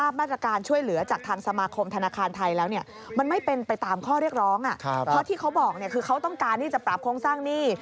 เพราะที่เขาบอกเนี่ยคือเขาต้องการที่จะปรับโครงสร้างหนี้